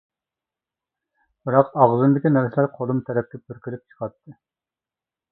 بىراق ئاغزىمدىكى نەرسىلەر قولۇم تەرەپكە پۈركىلىپ چىقاتتى.